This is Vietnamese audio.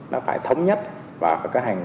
nó phải thống nhất và phải có hành